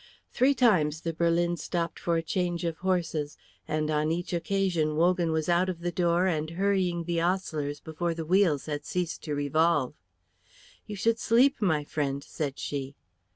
Three times the berlin stopped for a change of horses; and on each occasion Wogan was out of the door and hurrying the ostlers before the wheels had ceased to revolve. "You should sleep, my friend," said she.